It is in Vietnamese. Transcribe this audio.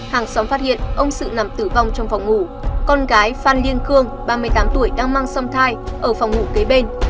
hàng xóm phát hiện ông sự nằm tử vong trong phòng ngủ con gái phan liên khương ba mươi tám tuổi đang mang sông thai ở phòng ngủ kế bên